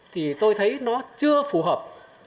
thì tôi thấy nó chưa phù hợp